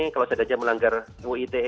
kalau seandainya melanggar ou it